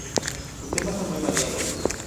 Sus temas son muy variados.